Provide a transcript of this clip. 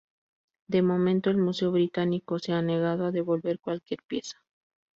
De momento, el Museo Británico se ha negado a devolver cualquier pieza.